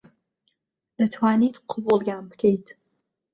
دەتوانیت قبووڵیان بکەیت